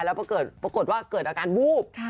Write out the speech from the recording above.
แล้วปรากฏว่าเกิดอาการวูบ